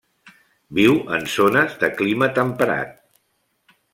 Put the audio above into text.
Viu en zones de clima temperat.